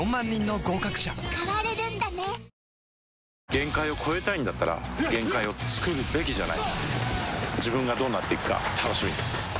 限界を越えたいんだったら限界をつくるべきじゃない自分がどうなっていくか楽しみです